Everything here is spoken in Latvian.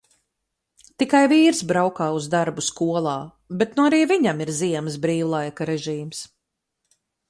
Tikai vīrs braukā uz darbu skolā, bet nu arī viņam ir ziemas brīvlaika režīms.